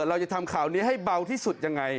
เราจะทำข่าวนี้ให้เบาที่สุดยังไง